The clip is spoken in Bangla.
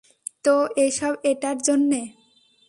তো এই সব এটার জন্যে?